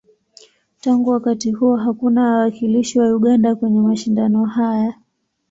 Tangu wakati huo, hakuna wawakilishi wa Uganda kwenye mashindano haya.